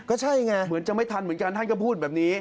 ก็ใช่ไงเหมือนจะไม่ทันเหมือนกันท่านก็พูดแบบนี้